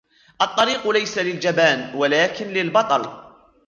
الطريق ليس للجبان ولكن للبطل.